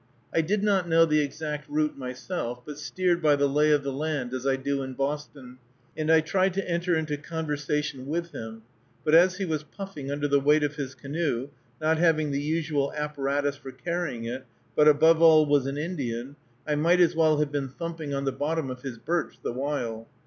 I did not know the exact route myself, but steered by the lay of the land, as I do in Boston, and I tried to enter into conversation with him, but as he was puffing under the weight of his canoe, not having the usual apparatus for carrying it, but, above all, was an Indian, I might as well have been thumping on the bottom of his birch the while.